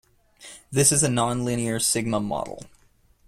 This is a non-linear sigma model.